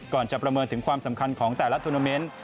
ก่อนจะประเมินถึงความสำคัญของแต่ละธุรกิจ